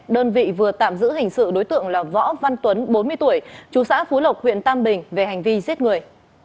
đơn vị vừa tạm giữ hình sự đối tượng là võ văn tuấn bốn mươi tuổi chú xã phú lộc huyện tam bình về hành vi giết người